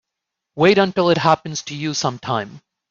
Wait until it happens to you sometime.